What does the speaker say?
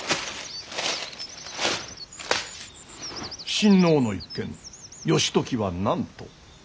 親王の一件義時は何と。